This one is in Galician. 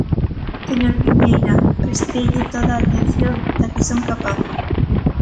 Señor Piñeira, presteille toda a atención da que son capaz.